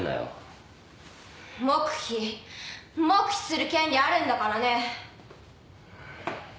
黙秘黙秘する権利あるんだからね。